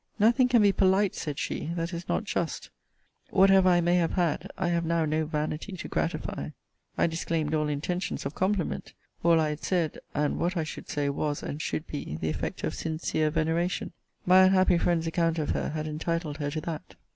Nothing can be polite, said she, that is not just: whatever I may have had; I have now no vanity to gratify. I disclaimed all intentions of compliment: all I had said, and what I should say, was, and should be, the effect of sincere veneration. My unhappy friend's account of her had entitled her to that.